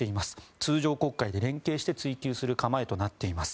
通常国会で連携して追及する構えとなっています。